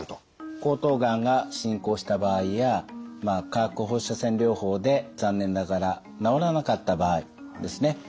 喉頭がんが進行した場合や化学放射線療法で残念ながら治らなかった場合ですね